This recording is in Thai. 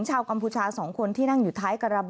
มีเกือบไปชนิดนึงนะครับ